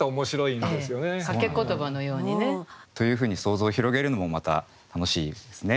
掛けことばのようにね。というふうに想像を広げるのもまた楽しいですね。